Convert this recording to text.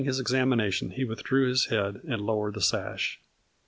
33 his examination he withdrew his head and low ered the sash.